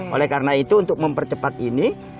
oleh karena itu untuk mempercepat ini